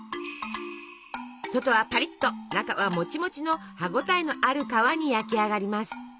外はパリッと中はモチモチの歯ごたえのある皮に焼き上がります。